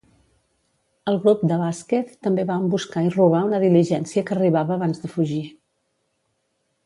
El grup de Vasquez també va emboscar i robar una diligència que arribava abans de fugir.